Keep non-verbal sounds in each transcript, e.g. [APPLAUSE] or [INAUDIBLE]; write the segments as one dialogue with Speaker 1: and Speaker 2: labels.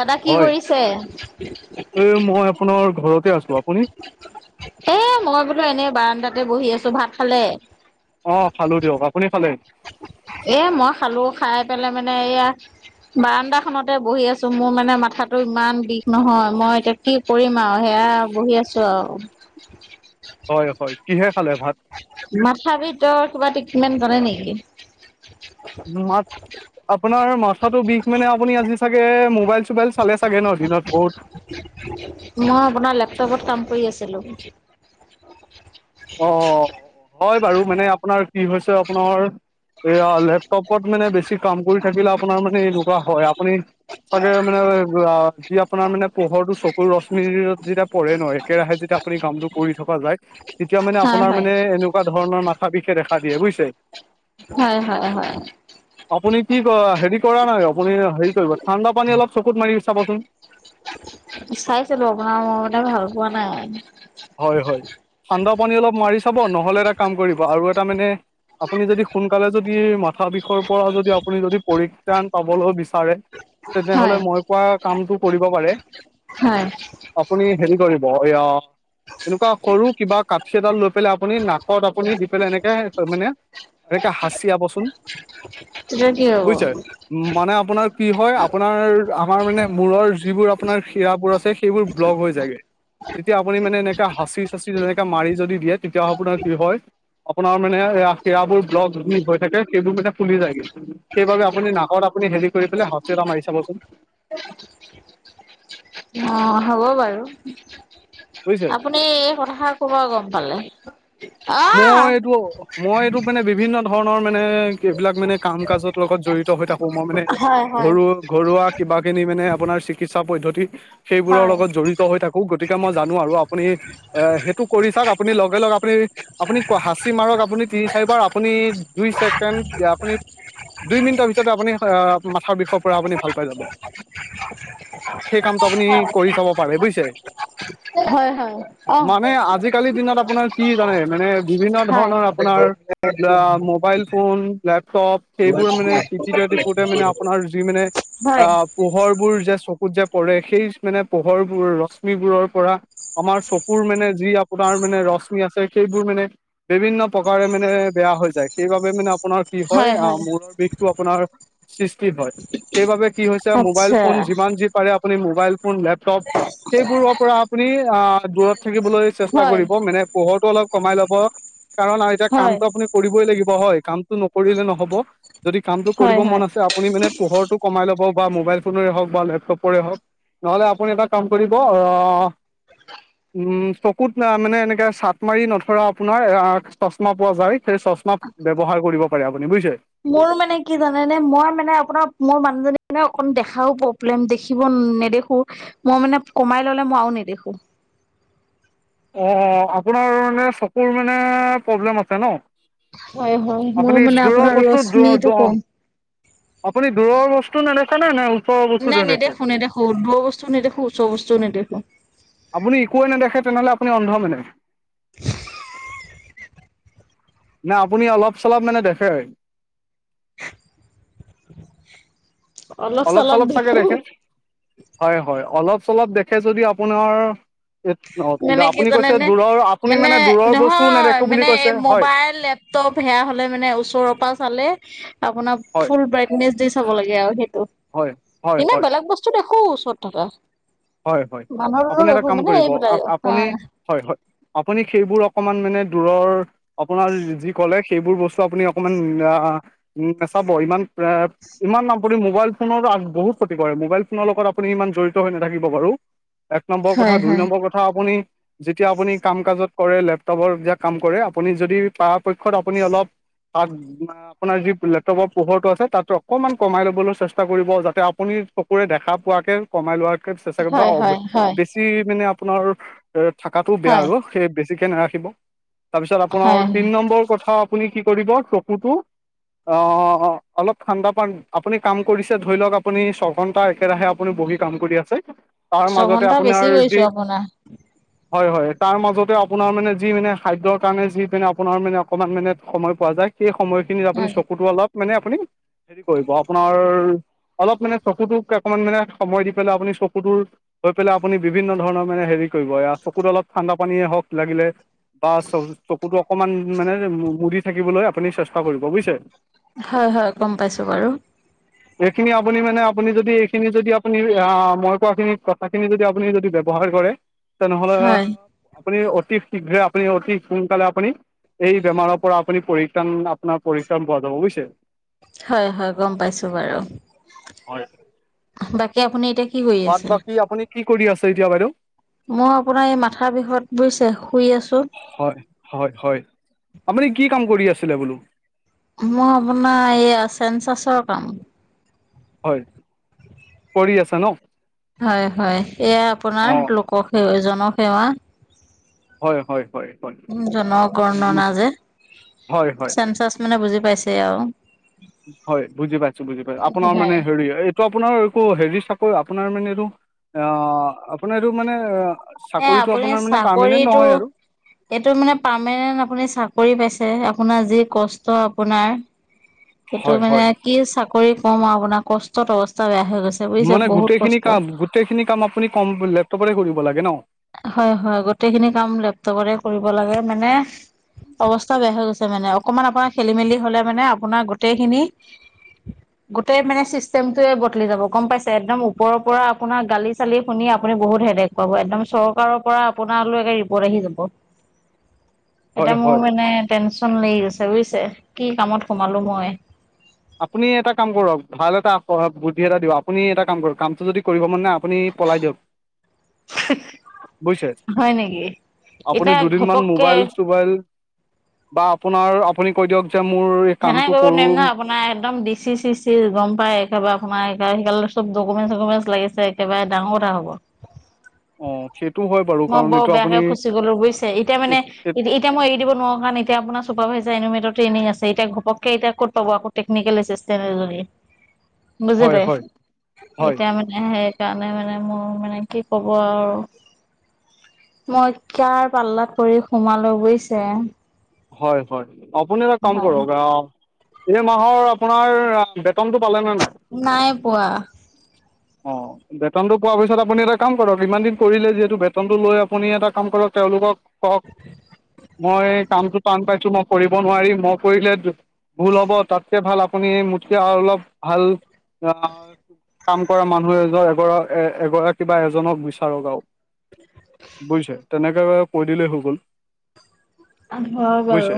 Speaker 1: দাদা কি
Speaker 2: হয়,
Speaker 1: কৰিছে?
Speaker 2: এই মই আপোনাৰ ঘৰতে আছো আ।
Speaker 1: এ মই বোলো এনেই বাৰানদাতে বহি আছো, ভাত খালে?
Speaker 2: অ খালো দিয়ক, আপুনি খালে?
Speaker 1: এ মই খালো, খাই পেলাই মানে এইয়া বাৰানদাখনতে বহি আছো, মোৰ মানে মাথাটো ইমান বিষ নহয়, মই এতিয়া কি কৰিম আৰু সেয়া বহি আছো আও।
Speaker 2: হয় হয় কিহে খালে ভাত?
Speaker 1: মাথা ভিতৰত কিবা ট্ৰিপমেন্ট কৰে নেকি?
Speaker 2: মা আপোনাৰ মাথাটো বিষ মানে আপুনি আজি চাগে মোবাইল বাইল চালে চাগে ন দিনত বহুত।
Speaker 1: মই আপোনাৰ লেপটপত কাম কৰি আছিলো।
Speaker 2: অ হয় বাৰু মানে আপোনাৰ কি হৈছে আপোনাৰ এয়া লেপটপত মানে বেছি কাম কৰি থাকিলে আপোনাৰ মানে এনেকুৱা হয়, আপুনি চাগে মানে যি আপোনাৰ মানে পোহৰটো চকু ৰশ্মিৰ যেতিয়া পৰে ন একেৰাহে যেতিয়া আপুনি কামতটো কৰি থকা যায় তেতিয়া মানে
Speaker 1: হয়
Speaker 2: আপোনাৰ
Speaker 1: হয়
Speaker 2: মানে এনেকুৱা ধৰণৰ মা আবিষে দেখা দিয়ে বুজিছে,
Speaker 1: হয় হয় হয়
Speaker 2: আপুনি কি কয় হেৰি কৰা নাই আপুনি হেৰি কৰিব ঠাণ্ডা পানী অলপ চকুত মাৰি চাবচোন।
Speaker 1: চাইছিলো আপোনাৰ মই মানে ভাল পোৱা নাই।
Speaker 2: হয় হয়, ঠান্দা পানী অলপ মাৰি চাব, নহ'লে এটা কাম কৰিব আৰু এটা মানে আপুনি যদি সোনকালে যদি মা থা বিষয়ৰ পৰা যদি আপুনি যদি পৰিত্ৰাণ পাবলৈ বিচাৰে তেতিয়া
Speaker 1: হয়
Speaker 2: হলে মই পোৱা কামতটো কৰিব পাৰে।
Speaker 1: হয়।
Speaker 2: আপুনি হেৰি কৰিব এয়া এনেকুৱা সৰু কিবা কাঠি এডাল লৈ পেলাই আপুনি নাকত আপুনি দি পেলাই এনেকে মানে এনেকে হাছিয়াব চোন।
Speaker 1: তেতিয়া কি হব?
Speaker 2: মানে আপোনাৰ কি হয় আপোনাৰ আমাৰ মানে মূৰৰ যিবোৰ আপোনাৰ শিৰাবোৰ আছে সেইবোৰ ব্লগ হৈ যায়গে, যেতিয়া আপুনি মানে এনে এ হাঁচি চাচি যেনেকে মাৰি যদি দিয়ে তেতিয়া আপোনাৰ কি হয়। আপোনাৰ মানে সেয়া সিৰাবোৰ ব্লক যদি হৈ থাকে সেইবোৰ মানে খুলি যায়গে। সেইবাবে আপুনি নাকত আপুনি হেৰি কৰি পেলাই হাতচি এটা মাৰি চাবচোন।
Speaker 1: অ', হ'ব বাৰু
Speaker 2: বুজিছে
Speaker 1: আপু এই কথাষাৰ ক'ৰ পৰা গম পালে? অ',
Speaker 2: মই এইটো, মই এইটো মানে বিভিন্ন ধৰণৰ মানে এইবিলাক মানে কাম-কাজৰ লগত জড়িত হৈ থাকোঁ মই মানে
Speaker 1: হয়, হয়,
Speaker 2: ঘৰু ঘৰুৱা কিবাখিনি মানে আপোনাৰ চিকিৎসা পদ্ধতি সেইবোৰ
Speaker 1: হয়,
Speaker 2: লগত জড়িত হৈ থাক খু গতিকে মই জানো আৰু আপুনি এ সেইটো কৰি চাওঁক আপুনি লগে লগে আপুনি আপুনি হাঁচি মাৰক আপুনি তিনি চাৰিবাৰ আপুনি দুই ছেকেণ্ড আপুনি দুই মিনিটৰ ভিতৰতে আপুনি অহ, মাথাৰ বিষৰ পৰা আপুনি ভাল পাই যাব। সেই কামটো আপুনি কৰি চাব পাৰে, বুজিছে।
Speaker 1: হয়, হয়, অ',
Speaker 2: মানে আজিকালিৰ দিনত আপোনাৰ কি জানে মানে বিভিন্ন
Speaker 1: হয়,
Speaker 2: ধৰণৰ আপোনাৰ অ', মোবাইল ফোন, লেপটপ সেইবোৰ মানে টিপিটে টিপোতে মানে আপোনাৰ যি মানে
Speaker 1: হয়।
Speaker 2: আহ পোহৰবোৰ যে চকুত যে পৰে সেই মানে পোহৰবোৰ ৰশ্মিবোৰৰ পৰা আমাৰ চকুৰ মানে যি আপোনাৰ মানে ৰশ্মি আছে। সেইবোৰ মানে বিভিন্ন প্ৰকাৰে মানে বেয়া হৈ যায়, সেইবাবে মানে আপোনাৰ কি হয় অহ, মূৰৰ বিষটো আপোনাৰ সৃষ্টি হয়। সেইবাবে কি হৈছে মোবাইল
Speaker 1: আচ্ছা,
Speaker 2: ফোন যিমান যি পাৰে আপুনি মোবাইল ফোন, লেপ টপ সেইবোৰৰ পৰা আপুনি অহ, দূৰত থাকিবলৈ চেষ্টা
Speaker 1: হয়,
Speaker 2: কৰিব মানে পোহৰটো অলপ কমাই ল'ব কাৰণ আৰু এতিয়া
Speaker 1: হয়,
Speaker 2: কামটো আপুনি কৰিবই লাগিব হয় কাম টো নকৰিলে নহ'ব যদি কামটো কৰিব
Speaker 1: হয়,
Speaker 2: মন
Speaker 1: হয়।
Speaker 2: আছে আ আপুনি মানে পোহৰটো কমাই ল'ব বা মোবাইল ফোনৰে হওঁক বা লেপটপৰে হওঁক। নহ'লে আপুনি এটা কাম কৰিব অ' উম, চকুত মানে এনেকে চাট মাৰি নধৰা আপোনাৰ অ', চচমা পোৱা যায়। সেই চশমাক ব্যৱহাৰ কৰিব পাৰে আপুনি, বুইছে।
Speaker 1: মোৰ মানে কি জানেনে মই মানে আপোনাৰ মোৰ মানুহজনী মানে অকন দেখাও প [UNINTELLIGIBLE] দেখিব নেদেখো মই মানে কমাই ল'লে মই আৰু নেদেখো।
Speaker 2: অ', অ', আপোনাৰ মানে চকুৰ মানে প্ৰব্লেম আছে ন'।
Speaker 1: হয়, হয়, মোৰ
Speaker 2: আপুনি
Speaker 1: মানে
Speaker 2: দূৰৰ
Speaker 1: আপোনাৰ
Speaker 2: বস্তু দ
Speaker 1: ৰশ্মিটো
Speaker 2: দ
Speaker 1: কম।
Speaker 2: আপুনি দূৰৰ বস্তু নেদেখে নে নে ও
Speaker 1: নাই নেদেখো নেদেখো, দূৰৰ বস্তু নেদেখো, ওচৰৰ বস্তুও নেদেখো।
Speaker 2: আপুনি একোৱে নেদেখে তেনেহ'লে আপুনি অন্ধ মানে।
Speaker 1: [INAUDIBLE]
Speaker 2: নে আপুনি অলপ চলপ মানে দেখে? অলপ চলপ চাগে দেখে, হয়, হয় অলপ চলপ দেখে যদি আপোনাৰ [UNINTELLIGIBLE] অ',
Speaker 1: মানে
Speaker 2: কিন্তু
Speaker 1: কি
Speaker 2: আপুনি কৈছে
Speaker 1: জানেনে
Speaker 2: দূৰৰ আপুনি মানে দূৰৰ বস্তুও নেদেখো বুলি কৈছে হয়।
Speaker 1: ত' বেয়া হ'লে মানে ওচৰৰ পৰা চালে। আপোনাৰ
Speaker 2: হয়
Speaker 1: ফুল ব্ৰাইটনেচ দি চাব লাগে আৰু সেইটো,
Speaker 2: হয় হয়
Speaker 1: এনে
Speaker 2: হয়
Speaker 1: বেলেগ বস্তু দেখো ওচৰত থকা মানুহৰো [UNINTELLIGIBLE] মানে এই
Speaker 2: অ', আপ আপুনি হয়, হয়, আপুনি সেইবোৰ অকমান মানে দূৰৰ আপোনাৰ যি ক'লে সেইবোৰ বস্তু আপুনি অকমান না-নাচাব ইমান এ ইমান আপুনি মোবাইল ফোনৰ আ বহুত ক্ষতি কৰে মোবাইল ফোনৰ লগত আপুনি ইমান জড়িত হৈ নাথাকিব বাৰু এক নম্বৰ কথা,
Speaker 1: হয়
Speaker 2: দুই
Speaker 1: হয়
Speaker 2: নম্বৰ কথা আপুনি যেতিয়া আপুনি কাম কাজত কৰে লেপটপত যে কাম কৰে আপুনি যদি পৰা পক্ষত আপুনি অলপ তাক আপোনাৰ যি লেপটপৰ পোহৰটো আছে তাত অকমান কমাই লবলৈ চেষ্টা কৰিব। যাতে আপুনি চকুৰে দেখা পোৱাকে কমাই লোৱাকে চেষ্টা কৰিব বা
Speaker 1: হয়
Speaker 2: অব
Speaker 1: হয় হয়
Speaker 2: বেছি বেছি মানে আপোনাৰ অ' থাকাটো বেয়া
Speaker 1: হয়
Speaker 2: আৰু সেই বেছিকে নাৰাখিব। তাৰপিছত
Speaker 1: হয়
Speaker 2: আপোনাৰ তিন
Speaker 1: হয়
Speaker 2: নম্বৰ কথা আপুনি কি কৰিব চকুটো অ', অলপ ঠাণ্ডা পান আপুনি কাম কৰিছে ধৰি লওঁক আপুনি ছঘন্টা একেৰাহে আপুনি বহি কাম কৰি আছে তাৰ মাজতে
Speaker 1: ছঘন্টা বেছি
Speaker 2: আপোনাৰ যি
Speaker 1: কৰিছো আপোনাৰ।
Speaker 2: হয়, হয়, তাৰ মাজতে আপোনাৰ মানে যি মানে খাদ্যৰ কাৰণে যি আপোনাৰ মানে অকমান মানে সময় পোৱা যায়। সেই সময়খিনিত আপুনি
Speaker 1: হয়
Speaker 2: চকুতো অলপ মানে আপুনি হেৰি কৰিব আপোনাৰ অলপ মানে চকুটোক অকমান মানে সময় দি পেলাই আপুনি চকুটোৰ লৈ পেলাই আপুনি বিভিন্ন ধৰণৰ মানে হেৰি কৰিব এয়া চকুত অলপ ঠাণ্ডা পানীয়েই হওঁক লাগিলে বা চ-চকুটো অকমান মানে মুদি থাকিবলৈ আপুনি চেষ্টা কৰিব বুইছে?
Speaker 1: হয়, হয়, গম পাইছো বাৰু।
Speaker 2: এইখিনি আপুনি মানে আপুনি যদি এইখিনি যদি আপুনি অ' মই কোৱাখিনি কথাখিনি যদি আপুনি যদি ব্যৱহাৰ কৰে তেনেহ'লে
Speaker 1: হয়
Speaker 2: আপুনি অতি শীঘ্ৰে আপুনি অতি সোনকালে আপুনি এই বেমাৰৰ পৰা আপুনি পৰিত্ৰাণ আপোনাৰ পৰিত্ৰাণ পোৱা যাব বুইছে?
Speaker 1: হয়, হয়, গম পাইছো বাৰু! বাকী আপুনি এতিয়া কি কৰি
Speaker 2: বাত
Speaker 1: আছে
Speaker 2: বাকী আপুনি কি কৰি আছে এতিয়া বাইদেউ?
Speaker 1: মই আপোনাৰ এই মাথাৰ বিষত বুইছে শুই আছোঁ।
Speaker 2: হয়, হয়, হয়, আপুনি কি কাম কৰি আছিলে বোলো?
Speaker 1: মই আপোনাৰ এইয়া চেনঞ্চাছৰ কাম।
Speaker 2: হয়, কৰি আছে ন?
Speaker 1: হয়, হয়, এয়া
Speaker 2: অ
Speaker 1: আপোনাৰ লোকসেৱ জনসেৱা।
Speaker 2: হয়, হয়, হয়। হয়।
Speaker 1: উম, জনগণনা যে
Speaker 2: হয় হয়
Speaker 1: চেনচাচ্ মানে বুজি পাইছেই আৰু!
Speaker 2: হয়, বুজি পাইছো বুজি পাইছো আপোনাৰ মানে
Speaker 1: হয়।
Speaker 2: হেৰি এই টো আপোনাৰ একো হেৰি চাকৰি আপোনাৰ মানে এইটো অ' আপোনাৰ এইটো মানে অ'
Speaker 1: এ
Speaker 2: চাকৰিটো
Speaker 1: আপুনি
Speaker 2: আপোনাৰ মানে পাৰ্মেন্ট
Speaker 1: চাকৰিটো
Speaker 2: নহয় আৰু?
Speaker 1: এইটো মানে পাৰমানেণ্ট আপুনি চাকৰি পাইছে আপোনাৰ যি কষ্ট আপোনাৰ। এইটো
Speaker 2: হয়
Speaker 1: মানে
Speaker 2: হয়
Speaker 1: কি চাকৰি কম আৰু আপোনাৰ কষ্টত অৱস্থা বেয়া হৈ গৈছে। বুজিছে
Speaker 2: মানে
Speaker 1: বহুত
Speaker 2: গোটেইখিনি
Speaker 1: কষ্ট।
Speaker 2: কাম গোটেইখিনি কাম আপুনি কম লেপটপতেই কৰিব লাগে ন?
Speaker 1: হয়, হয়, গোটেইখিনি কাম লেপটপতে কৰিব লাগে। মানে অৱস্থা বেয়া হৈ গৈছে মানে অকমান আপোনাৰ খেলি মেলি হ'লে মানে আপোনাৰ গোটেইখিনি [INAUDIBLE] গোটেই মানে চিষ্টেমটোৱে বদলি যাব গম পাইছে। একদম ওপৰৰ পৰা আপোনাৰ গালি চালি শুনি আপুনি বহুত হেদে ক'ব একদম চৰকাৰৰ পৰা আপোনালালৈ একে ৰিপৰ্ট আহি যাব। এতিয়া
Speaker 2: হয়
Speaker 1: মোৰ
Speaker 2: হয়
Speaker 1: মানে টেনশ্যন লাগি গৈছে বুজিছে কি কামত সোমালোঁ মই।
Speaker 2: আপুনি এটা কাম কৰক ভাল এটা বুদ্ধি এটা দিয়ক আপুনি এটা কাম কৰক কামটো যদি কৰিব মন নাই আপুনি পলাই দিয়ক।
Speaker 1: [INAUDIBLE]
Speaker 2: বুজিছে?
Speaker 1: হয় নেকি?
Speaker 2: আপুনি
Speaker 1: এতিয়া
Speaker 2: দুদিনমান
Speaker 1: ঘপককে
Speaker 2: মোবাইল চুবাইল বা আপোনাৰ -আপুনি কৈ দিয়ক যে মোৰ
Speaker 1: সেনেকা
Speaker 2: কামটো
Speaker 1: কৰিব নোৱাৰিম
Speaker 2: কৰোঁ
Speaker 1: নহয় আপোনাৰ, একদম দি চি, চিচি গম পাই একেবাৰে আপোনাৰ এইগাল সেইগাল, চব ডকুমেণ্ট চকুমেণ্ট লাগিছে একেবাৰে ডাঙৰ কথা হ'ব।
Speaker 2: অঁ সেইটো হয় বাৰু
Speaker 1: মই
Speaker 2: কাৰণ
Speaker 1: বৰ
Speaker 2: এইটো
Speaker 1: বেয়াকে
Speaker 2: আপুনি
Speaker 1: ফচি গলো বুজিচ ছা। এতিয়া মানে, এতিয়া মই এৰি দিব নোৱাৰো কাৰণ এতিয়া আপোনাৰ চোপাৰভাইজাৰ এনিমেটৰ ট্ৰেইনিং আছে এতিয়া ঘপকে এতিয়া ক'ত পাব আক টেকনিকেল এছিষ্টেন্ট এজনী।
Speaker 2: হয়
Speaker 1: বুজিলে?
Speaker 2: হয় হয়
Speaker 1: এতিয়া মানে সেই সেইকাৰণে মানে মোৰ মানে কি ক'ব আৰু। মই কাৰ পাল্লাত পৰি সোমালো বুজিছে।
Speaker 2: হয়- হয়। আপুনি এটা কাম
Speaker 1: হয়
Speaker 2: কৰক আ এই মাহৰ আপোনাৰ বেতনটো পালেনে নাই?
Speaker 1: নাই পোৱা।
Speaker 2: অ, বেতনতো পোৱাৰ পিছত আপুনি এটা কাম কৰক, ইমান দিন কৰিলে যিহেতু বেত নটো লৈ আপুনি এটা কাম কৰক, তেওঁলোকক কওক, মই কামটো টান পাইছো মই কৰিব নোৱাৰিম। মই কৰিলে ভুল হ'ব তাতকে ভাল আপুনি মোতকে আৰু অলপ ভাল, আহ কাম কৰা মানুহ এজন এগৰাক এ এগৰাকী বা এজনক বিচাৰক আৰু বুজিছে। তেনেকে এবাৰ কৈ দিলেই হৈ গ'ল।
Speaker 1: হয় বাৰু।
Speaker 2: বুজিছে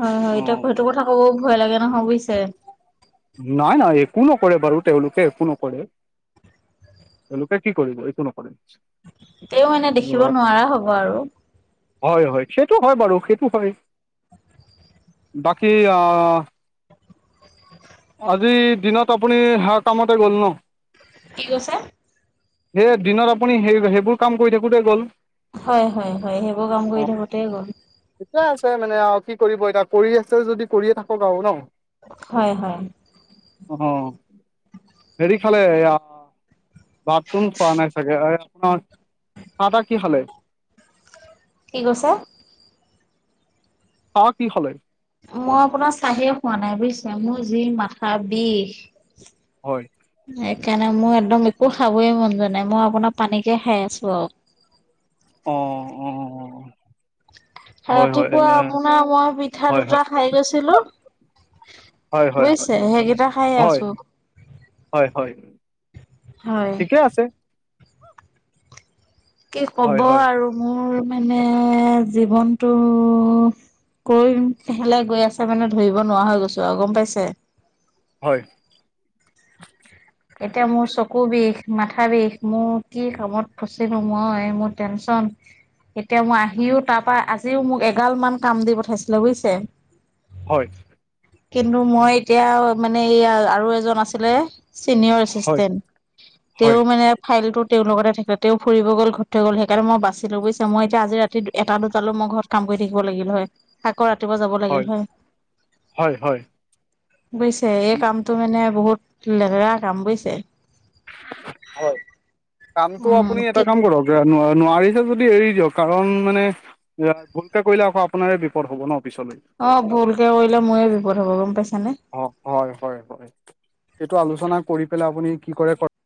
Speaker 1: হয়-হয় এতিয়া
Speaker 2: অঁ
Speaker 1: সেইটো কথা ক'ব ভয় লাগে নহয় বুজিছে।
Speaker 2: নহয় - নহয়। একো নকৰে বাৰু তেওঁলোকে একো নকৰে। তেওঁলোকে কি কৰিব? একো নকৰে।
Speaker 1: তেও এনে দেখিব নোৱাৰা হ'ব আৰু
Speaker 2: হয়-হয়, সেইটো হয় বাৰু সেইটো হয়। বাকী অহ আজি দিনত আপুনি সেইয়া কামতে গ'ল ন?
Speaker 1: কি কৈছে?
Speaker 2: সেই দিনত আপুনি সেই সেইবোৰ কাম কৰি থাকোঁতে গ'ল।
Speaker 1: হয়- হয়- হয়। সেইবোৰ কাম
Speaker 2: অ
Speaker 1: কৰি থাকোতে গ'ল।
Speaker 2: ঠিকে আছে মানে আৰু কি কৰিব এতিয়া। কৰি আছে যদি কৰিয়ে থাকক আৰু ন?
Speaker 1: হয় হয়।
Speaker 2: অ' হেৰি খালে এয়া ভাতটো খোৱা নাই চাগে, আ আৰ চাহ-তাহ কি খালে?
Speaker 1: কি কৈছে?
Speaker 2: চাহ কি খালে?
Speaker 1: মই আপোনাৰ চাহেই খোৱা নাই বুজিছে। মোৰ যি মাথাৰ বিষ।
Speaker 2: হয়।
Speaker 1: সেইকাৰণে মোৰ একদম একো খাবই মন যোৱা নাই, মই আপোনাৰ পানীকে খাই আছো আৰু।
Speaker 2: অ অ। হয় হয়
Speaker 1: ৰাতিপুৱা আপোনাৰ মই পিঠা
Speaker 2: হয়
Speaker 1: দুটা
Speaker 2: হয়
Speaker 1: খাই গৈছিলো।
Speaker 2: হয় হয়
Speaker 1: বুজিছে, সেইকেইটা খাইয়ে
Speaker 2: হয়
Speaker 1: আছো।
Speaker 2: হয় হয়
Speaker 1: হয়।
Speaker 2: ঠিকে আছে
Speaker 1: কি ক'ব
Speaker 2: হয় হয়
Speaker 1: আৰু, মোৰ মানে জীৱনটো কৰিম সেইফালে গৈ আছে মানে ধৰিব নোৱাৰা হৈ গৈছো আৰু গম পাইছে?
Speaker 2: হয়।
Speaker 1: এতিয়া মোৰ চকু বিষ, মাথা বিষ মোৰ কি কামত ফচিলো মই মোৰ টেনচন। এতিয়া মই আহিও তাৰপা, আজিও মোক এগাল মান কাম দি পঠাইছিলে বুজিছে।
Speaker 2: হয়।
Speaker 1: কিন্তু মই এতিয়া মানে এইয়া আৰু এজন আছিলে। চিনিয়ৰ
Speaker 2: হয়
Speaker 1: এচিষ্টেণ্ট,
Speaker 2: হয়
Speaker 1: তেওঁ মানে ফাইলটো তেওঁৰ লগতে থাকিলে, তেওঁ ফুৰিব গ'ল ঘৰতথৈ গ'ল সেইকাৰণ মই বাছিলো বুইছে, মই এতিয়া আজি ৰাতি দু এটা দুটালৈ মই ঘৰত কাম কৰি থাকিব লাগিল হয়, আকৌ ৰাতিপুৱা যাব লাগিল হয়।
Speaker 2: হয় হয়
Speaker 1: বুজিছে, এই কামটো মানে বহুত লেতেৰা কাম বুজিছে।
Speaker 2: হয়, কামটো
Speaker 1: উম,
Speaker 2: আপুনি এটা কাম কৰক। নোৱা নোৱা নোৱাৰিছা যদি এৰি দিয়ক, কাৰণ মানে যে ভুলকে কৰিলে আকৌ আপোনাৰে বিপদ হ'ব ন' পিছলৈ।
Speaker 1: অ', ভুলকে কৰিলে মোৰে বিপদ হ'ব গম পাইছানে?
Speaker 2: অ' হয়, হয়, হয়, সেইটো আলোচনা কৰি পেলাই আপুনি কি কৰে কৰ